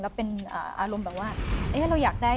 แล้วเป็นอารมณ์แบบว่า